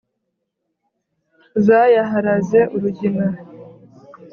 Zayaharaze urugina